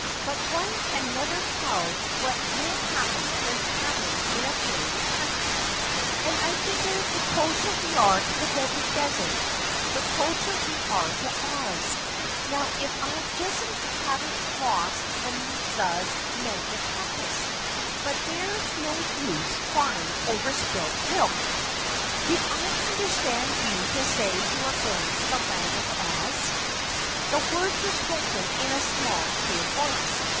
But one can never tell what will happen when traveling in a fairy country, and I figure the closer we are to the Deadly Desert, the closer we are to Oz. Now if I just hadn't lost Ozma's Magic Compass but there's no use crying over spilt milk." "Did I understand you to say you are going to the Land of Oz?" The words were spoken in a small, clear voice.